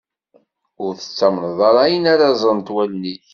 Ur tettamneḍ ara ayen ara ẓrent wallen-ik.